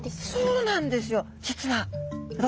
そうなんですよ。